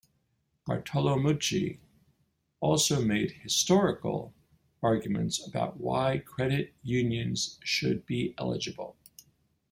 Bartolomucci also made historical arguments about why credit unions should be eligible.